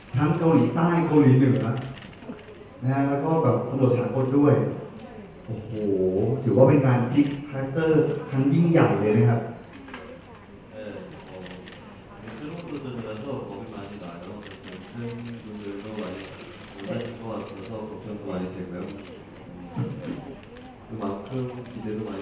เขาก็อยากบอกทุกคนมากบอกว่าทุกคนติดตามเรื่องที่ด้วยแล้วก็บอกว่าทุกคนช่าวก็ทิ้งที่ด้วย